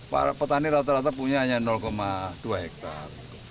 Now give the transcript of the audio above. para petani rata rata punya hanya dua hektare